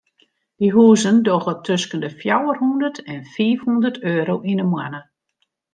Dy huzen dogge tusken de fjouwer hondert en fiif hondert euro yn de moanne.